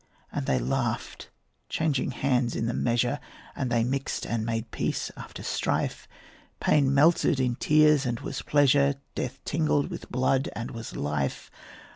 And they laughed, changing hands in the measure, And they mixed and made peace after strife; Pain melted in tears, and was pleasure; Death tingled with blood, and was life.